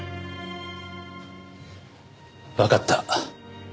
わかった。